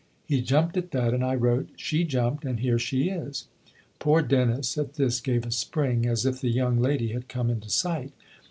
He jumped at that, and I wrote. She jumped, and here she is." Poor Dennis, at this, guve a spring, as if the young lady had come into sight.